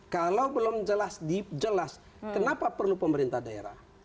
kalau belum jelas kenapa perlu pemerintah daerah